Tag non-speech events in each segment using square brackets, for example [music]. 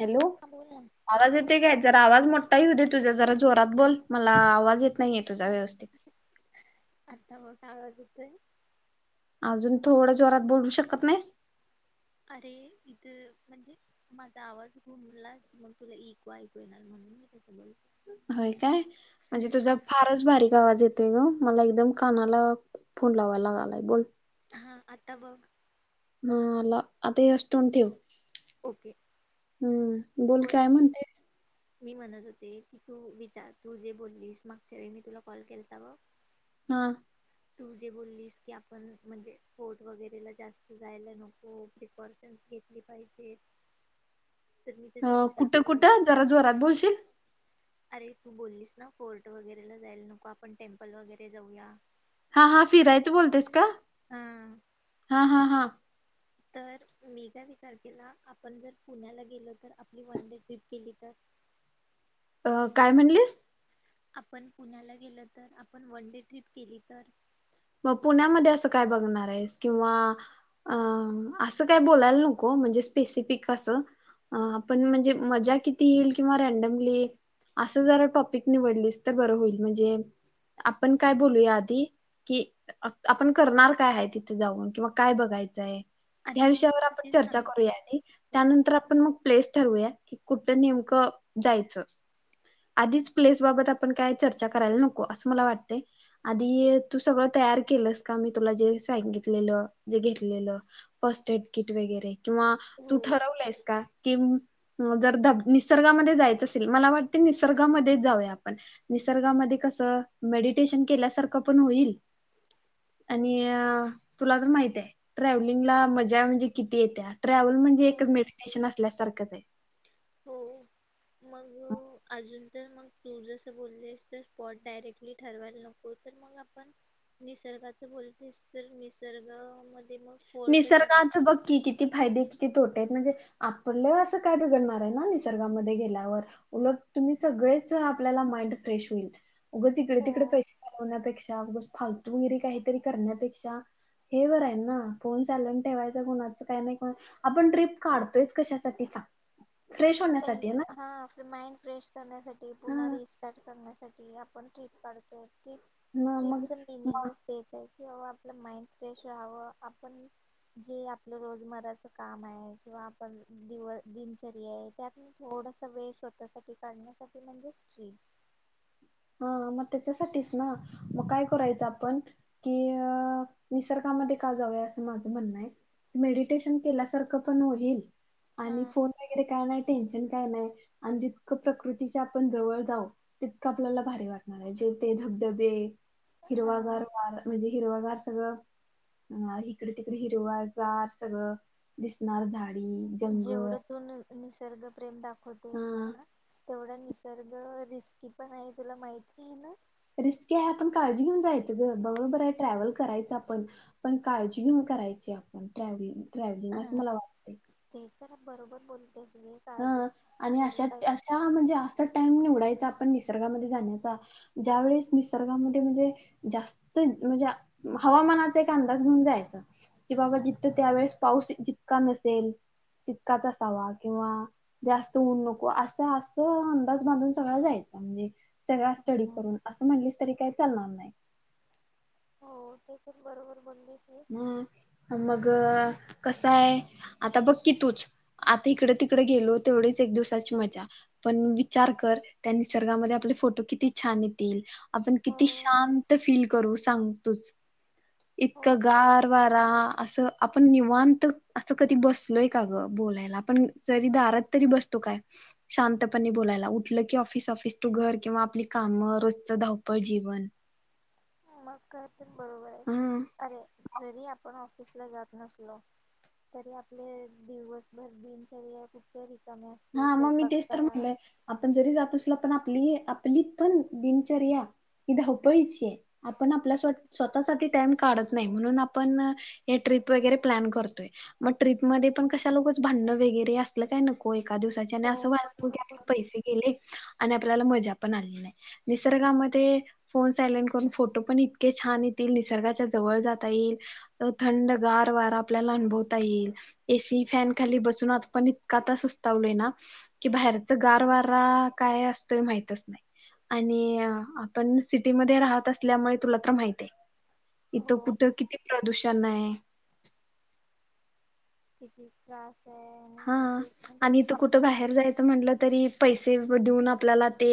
Hello हा बोल ना आवाज येते काय आवाज मोठा येऊ दे तुझा जरा जोरात बोल, मला आवाज येत नाहीे तुझा व्यवस्थित. ते. अजून थोडं जोरात बोलू शकत नाहीस? अरे, इथं म्हणजे माझा आवाज घुमला. मग तुला इक ऐकू येणार मग. हं. होय काय? म्हणजे तुझा फारच बारीक आवाज येत तोय गं. मला एकदम कानाला फोन लावायला लागालाय. बोल हा, आता बग. ह आला. अता हेच टोन ठेव. ओके हम्म, बोल काय म्हणते? मी म्हणत होते, की तू विचार. तू जे बोललीस मागच्या वेळी मी तुला कॉल केलता ब हा. तू जे बोललीस की आपण, म्हणजे फोट वगैरेला जास्त जायला नको. प्रिकॉशन घेतली पाहिजे. तर मी त्याचा अं विचार कुठं करून कुठं, जरा जोरात बोलशील? अरे तू बोललीस ना फोर्ट वगैरेला जायला नको, आपण टेम्पल वगैरे जाऊया. हा हा फिरायचं बोलतेस का? हा हा हा हा. तर मी काय विचार केला, आपण जर पुण्याला गेलो तर आपली वन डे ट्रीप केली तर? अ काय म्हणलीस? आपण पुण्याला गेल तर, आपण वन डे ट्रिप केली तर? मग पुण्यामध्ये असं काय बघणार आहेस किंवा अ -असं काय बोलायला नको, म्हणजे स्पेसिफिक असं. अ -आपण म्हणजे मजा किती येईल किंवा रँडमली. असं जरा टॉपिक निवडलीस तर बरं होईल. म्हणजे आपण काय बोलूया आधी कि आपण करणार काय आहे, तिथं जाऊन किंवा काय बघायचंय. अरे ह्या मग मी विषयावर तुला आपण तेच चर्चा सांगते करूया आधी त्यानंतर, आपण मग प्लेस ठरवूया की कुठ नेमकं जायचं? आधीच प्लेस बाबत आपण काय चर्चा करायला नको, असं मला वाटतंय आधी तू सगळं तयार केलसं का, मी तुला जे सांगितलेल जे घेतलेलं फॉस्फेट किट वगैरे? किंवा तू हो ठरवलयसं का? कि जर धब -निसर्गामध्ये जायचं असेल, मला वाटतंय निसर्गामध्ये जाऊया आपण. निसर्गामध्ये कसं मेडिटेशन केल्या सारखं पण होईल. आणि तुला तर माहित आहे, ट्रॅव्हलिंगला मजा म्हणजे किती येत्या. ट्रॅव्हल म्हणजे, हो एकच मेडीटेशन असल्या सारखंच हाय. हो, मग अजून तर मग [inaudible] तू जसं बोललेस तर स्पॉट डायरेक्टली ठरवायला नको, तर मग आपण निसर्गाच बोलू निसर- निसर्ग म निसर्गाच बघं की, किती फायदे? किती तोटे आहेत म्हणजे, आपलं असं काय बिघडणार आहे ना निसर्गामध्ये गेल्यावर उलट तुम्ही स सगळेच आपल्याला माईंड फ्रेश होईल, उगाच इकडे तिकडे हो पैसे घालवण्या पेक्षा उगच फालतू वगैरे काहीतरी, करण्यापेक्षा हे बरं आहे ना. फोन सॅलेंट ठेवायचा कुणाचं काय नाहि, आपण ट्रीप काढतोयचं कशासाठी सांग? फ्रेश होण्यासाठी आहे ना हा, माइंड फ्रेश करण्यासाठी पुन्हा रिस्टार्ट करण्यासाठी. साठी आपण ट्रीप काढतोय, हा ट्रिपच मग मिनिंगचं तेच आहे. किंवा आपलं माइंड फ्रेश राहावं, आपण जे आपलं रोजमराच काम आहे किंवा आपण दिव- दिनचर्या आहेत. त्यात थोडस वेळ स्वतःसाठी काढण्यासाठी म्हणजेच ट्रीप. हा मग त्यासाठी ना, मग काय करायच आपण कि अ निसर्गामध्ये? जाऊया असं माझं म्हणणं हाय, मेडिटेशन केल्यासारखं पण होईल. आणि हां. फोन वगैरे काय नाय टेन्शन काय नाय, आणि जितकं प्रकृतीच्या आपण जवळ जाऊ तितकं आप आपल्याला भारी वाटणारायं जे ते धबधबे हिरवागार हा वार म्हणजे ते सगळं इकडे तिकडे हिरवा गार सगळं दिसणार झाड जेवढ तू न निसर्ग प्रेम दाखवतेस ना, हा ते वढ निसर्ग रिस्की पण आहे, तुला माहिती आहे ना? रिस्की आहे पण काळजी घेऊन जायचं ग बरोबर आहे ट्रॅव्हल करायचं आपण पण काळजी घेन करायचे आपण ट्रॅव्हल ट्रॅव्हलिंग असं मला वाटते. त्यांना बरोबर बोल ह आणि अशा- अशा म्हणजे असं टाइम निवडायचा निसर्गामध्ये जाण्याचा ज्यावेळेस निसर्गामध्ये म्हणजे जास्त म्हणजे हवामानाचा एक अंदाज घेऊन जायच, की बाबा जिथं त्यावेेळेस पाऊस जितका नसेल तितकाचं असावा किंवा जास्त ऊन नको असं असं अंदाज बांधून सगळा जायचा म्हणजे. सगळा स्टडी हां. करून असं म्हणलीस, तरी काही चालणार नाही. हो, ते तर बरोबर बोली. ह, मग कसयं आता बघ कि तूच? आता इकडे तिकडे गेलो, तेवढीच एक दिवसाची मज्जा पण विचार कर त्या निसर्गामध्ये आपल्या फोटो किती छान येतील, आपण हो किती शांत फील करू सांग तुच. इत हो का गार वारा असं आपण निवांत असं कधी बसलोय का गं? बोलायला आपण जरी दारात तरी बसतो काय? शांतपणे बोलायला उठलं की ऑफिस ऑफिस टु घर किंवा आपली कामं रोजच धावपळ जीवन. मग काय, तर बरोबर आहे ह अरे जरी आपण आँफिस जात नसलो, तरी आपले दिवसभर दिनचर्या कुठे तरी हा मग मी तेच तर म्हणलंय आपण जरी जात असलो पण आप आपली आपली पण दिनचर्या ही धापळीची आहे आपण आपल्या स्व स्वतःसाठी टाईम काढत नाही म्हणून आपण हे ट्रे ट्रिप वगैरे प्लॅन करतोय मग ट्रिप मध्ये कशाला उगच भांडण वगैरे असल काय नको. एका दिवसाच्या हो असं व्हाय नको बरोबर की आपल बरोबर. पैसे गेले. आणि आपल्याला मज्जा पण आली नाही निसर्गामध्ये फोन सायलेट करून फोटो पण इतके छा छान येतील निसर्गाच्या जवळ जाता येईल अं थंड गार वारा आपल्याला अनुभवता येईल. एसी फॅन खाली बसून आपण इतका आता सुस्त तावलय ना की बाहेरच गार वारा काय असतोय माहितच नाही. आणि आपण सिटीमध्ये राहत असल्यामुळे तुला तर माहित आहे. इथं हो कुठं किती प्रदूषण आहे. किती त्रास आहे आणि हा किती म्हणजे आणि इथं आप कुठं बाहेर जायचं म्हटलं तरी पैसे देऊन आपल्याला ते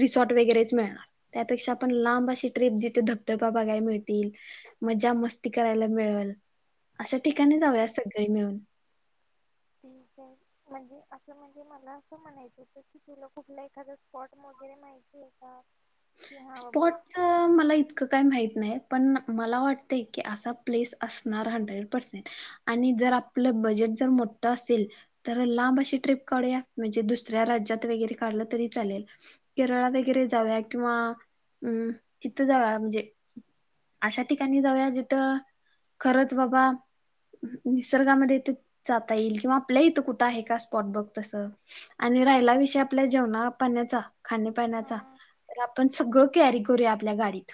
रिसॉर्ट वगैरेच मिळणार त्यापेक्षा आपण लांब आंबाशी ट्रिप जिथे धबधबा बघाय मिळतील मज्जा मस्ती करायला मिळल. अशा ठिकाणी जाऊया सगळी मिळून ठीक आहे म्हणजे असं म्हणजे मला असं म्हणायचं होत की तुला कुठल एखाद स्पॉट म ते माहिती आहे का की हा बाबा स्पॉटच मला इतकं काय माहित नाही पण मला वाटतय कि असा प्लेस असणार हन्डरेड परसेन्ट आणि जर आपल बजेट जर मोठं असेल तर लांब अशी ट्रिप काढुया म्हणजे दुसऱ्या राज्यात वगैरे काढल तर तरी चालेल केरळला वगैरे जाऊया किंवा अं तिथ जाऊया म्हणजे अशा ठिकाणी जाऊया जिथं खरंच बाबा निसर्गामध्ये थ जाता येईल किंवा आपल्या इथं कुठं आहे का स्पॉट बघ तस आणि राहिला विषय आपल्या जेवणा पाण्याचा खाणी पाण्याचा हा तर आपण सगळं कॅरी करूया आपल्या गाडीत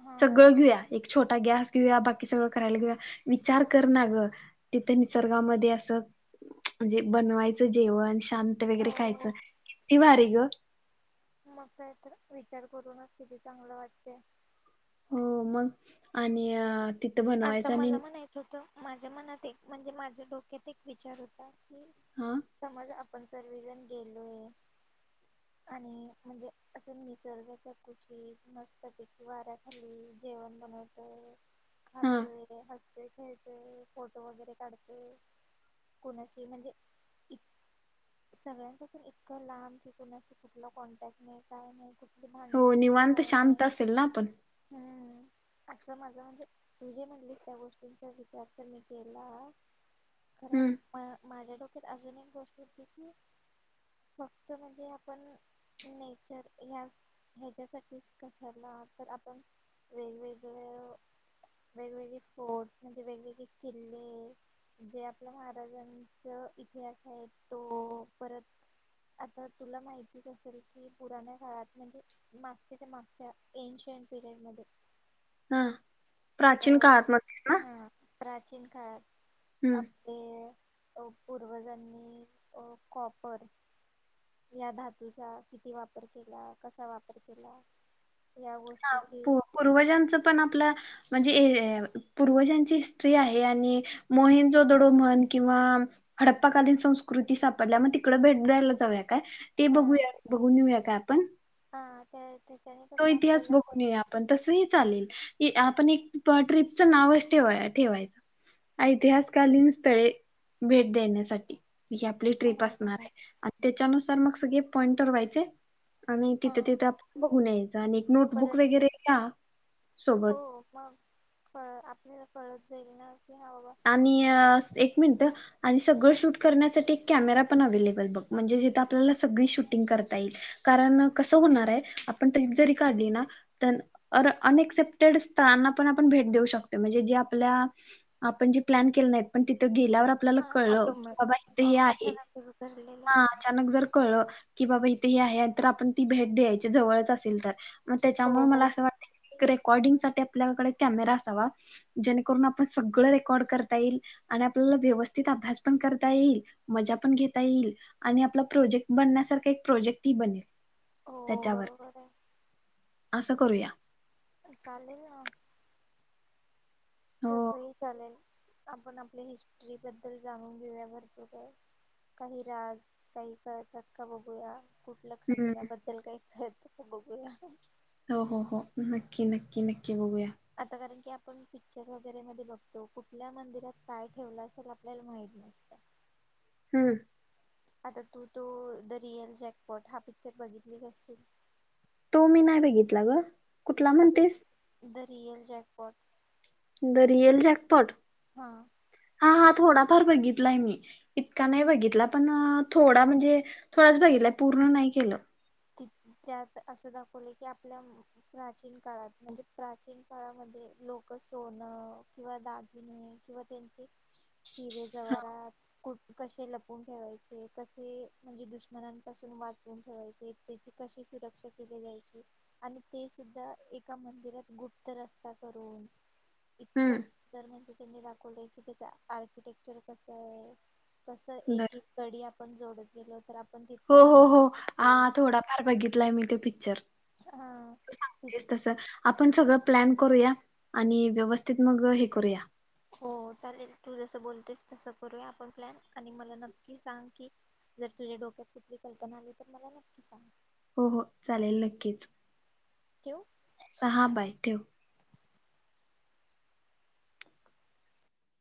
हा सगळं घेऊया एक छोटा गॅस घिऊया बाकी सगळ करायला घिवुया विचार कर ना गं तिथ निसर्गामध्ये असं म्हणजे बनवायचं जेवण शांत वगैरे खायचं हो किती भारी ग मग काय तर विचार करूनच किती चांगलं वाटतय हो मग आणि अ आता मला म्हणायचं होतं माझ्या मनात एक म्हणजे माझ्या डोक्यात एक विचार होता. कि हा समज आपण सर्वीजण गेलोय आणि म्हणजे असं निसर्गाच्या कुशीत मस्त पैकी वाऱ्या खाली जेवण बनवतय हा खातोय लय खेळतोय फोटो वगैरे काढतोय कुणाशी म्हणजे इ सगळ्यांपासून इतकं लांब कि कुणाशी कुठल कॉन्टॅक्ट नाही काय नाही. कुठली हो भांडणं नाही निवांत काय नाही शांत असेल ना आपण हम्म असं माझ म्हणजे तुझे म्हटली त्या गोष्टींचा विचार तर मी केला कारण हम्म मा माझ्या डोक्यात अजून एक गोष्ट होती की फक्त म्हणजे आपण नेचर ह्या ह्याच्यासाठीच कशाला तर आपण वेगवेगळ वेगवेगळे फोर्ट म्हणजे वेगवेगळे किल्ले, जे आपल्या महाराजांच इतिहास आहे, तो परत आता तुला माहितीच असेल, की पुराण्या काळात. म्हणजे मागच्या च्या मागच्या येंज पिरेड मध्ये. हा प्राचीन काळात म्हणतात ना. हा प्राचीन काळी. हम्म आपले अ पूर्वजांनी अ कॉपर. या धातूचा किती वापर केला कसा वापर केला. या ह गोष्टीची पूर्वजांच पण आपल्या म्हणजे पूर्वजांची हिस्ट्री आहे आणि मोहिन जोदडो म्हण किंवा खडप्पाकालीन संस्कृती सापडल्या, मग तिकडडे भेट द्यायला जाऊ्यात. ते हा बघया बघेऊया काय आपण. हा त्या. त्याच्याने तो कसं इतिहास आपल्याला बघून येउया आपण तसही चालेल. आपण एक ट्रीपचं नावच ठेवा ठेवायचं. ऐतिहासकालीन स्थळे भेट देण्यासाठी. ही आपली ट्रीप हा असणारे आणि त्याच्यानुसार मग सगळे पॉइंटर ठव्हायचे. आणि तिथं हा तिथं आपण बघून यायचं आणि एक नोटबुक परत वगैरे घ्या. सोबत हो मगळ आपल्याला कळत जाईल ना. की हा बाबा आणि अ एक मिनिट. आणि सगळं शूट करण्यासाठी, एक कॅमेरा पण अवे्लेबल बघ, म्हणजे जिथे आपल्याला सगळी शूटिंग करता येईल. कारण कस होणारे आपण ट्रीप जरी काढली ना तर अनएक्सेप्टेड स्थळा णा आपण भेट देऊ शकतो म्हणजे. जे आपल्या आपण जे प्लॅन केले नाहीत पण तीथ गेल्यावर आपल्याला हा कळलं की ऑटोमॅट बाबा इथ अ हे आहे. अचानकच घडलेलं ह अचानक जर कळ की, बाबा हे आहे आपण ती भेट द्यायची जवळच असेल तर, मग हो त्याच्यामुळे मला हो असं वाटत की कोडींग साठी आपल्याकडे कॅमेरा असावा, जेणेकरून आपण सगळ रेकॉर्ड करता येईल, आणि आपल्याला व्यवस्थित अभ्यास पण करता येईल, मजा पण घेता येईल, फक्त आणि आपला प्रोजेक्ट बनण्यासारखा, एक प्रोजेक्टही बनेल. हो त्याच्यावर बरोबर असं करूया. चालेल ना. हो तस ही चालेल. आपण आपल्या हिस्ट्री बद्दल जाणून घेऊया भरपूर काही. काही राज काही कळतात का बघूया? कुठलं हम्म खजिन्याबद्दल काही कळतं का बघूया? हो हो हो नक्की नक्की नक्की बघूया. आता कारण की आपण पिक्चर वगैरे मधी बघतो. कुठल्या मंदिरात काय ठेवलं असेल आपल्याला माहिती हम्म. आता तू तो द रिअल जॅकपॉट हा पिक्चर बघितलीच अशील. तो मी नाही बघितला ग कुठला म्हणतेस. Real jackpot. The real jackpot. हा. हा थोडा फार बघितला मी इतका नाही बघितला पण थोडा म्हणजे थोडच बिघितला. पूर्ण नाही केलं. ठीके. त्यात असं दाखवले की, आपल्या प्राचीन काळात. म्हणजे प्राचीन काळामध्ये लोक सोनं किंवा दागिने किंवा त्यांचे हिरे जवारातु कसे लपून ठेवायचे कसे म्हणजे दुष्मणांसून [unintelligible] क सुरक्षा केली जायची आणि ते सुद्धा एका मंदिरात गुप्तर असतात. [unintelligible] इतकं सुर त्यांनी दाखवलंय की त्याच आर्किटेक्चर कस आहे. कस एक बर -एक कडी आपण जोडत गेलो तर आपण हो तिथपर्यंत हो हो पोहोचू शकतो ह, थोडाफार बघितलाय मी ते पिक्चर. हा सांगतेस तस आपण सगळं प्लॅन करूंया आणि व्यवस्थित मंग हे करूंया. - हो चालेल तू जसं बोलतेस तसं करूंयां आपणं प्लॅन आणि मंला नक्की सांग की, जर तुझ्या डोक्यात कुठली कल्पना आली तर मला नक्की सांग. हो हो चालेल नक्कीचं [inaudible] हा बाई ठेव. -